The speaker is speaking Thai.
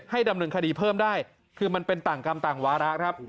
ดำเนินคดีเพิ่มได้คือมันเป็นต่างกรรมต่างวาระครับ